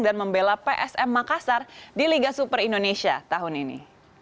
dan membela psm makassar di liga super indonesia tahun ini